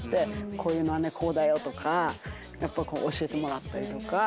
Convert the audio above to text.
「こういうのはねこうだよ」とか教えてもらったりとか。